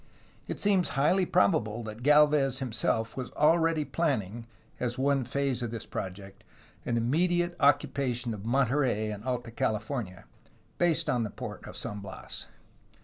It seems highly probable that Galvez himself was already planning, as one phase of this project, an immediate occupation of Monterey in Alta CaHfornia, based on the port of San Bias.